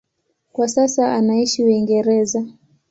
Kwa sasa anaishi Uingereza.